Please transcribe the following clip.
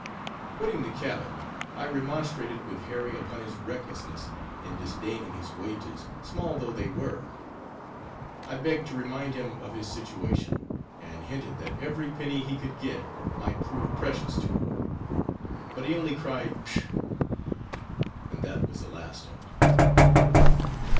Quitting the cabin, I remonstrated with Harry upon his recklessness in disdaining his wages, small though they were; I begged to remind him of his situation; and hinted that every penny he could get might prove precious to him. But he only cried Pshaw! and that was the last of it.